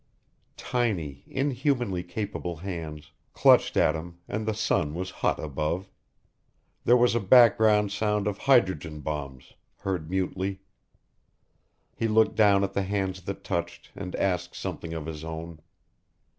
Tiny, inhumanly capable hands clutched at him and the sun was hot above. There was a background sound of hydrogen bombs, heard mutely. He looked down at the hands that touched and asked something of his own.